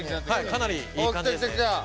かなりいい感じですね。